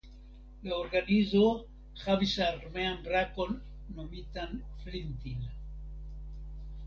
La organizo havis armean brakon nomitan Flintil.